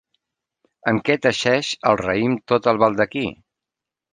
Amb què teixeix el raïm tot el baldaquí?